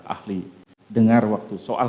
ahli dengar waktu soal